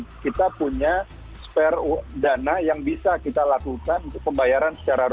pak kus mungkin boleh ditegaskan sekali lagi karena kita punya spare dana yang bisa kita lakukan untuk pembayaran secara rutin